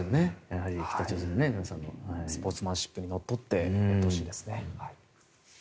スポーツマンシップにのっとってやってほしいですよね。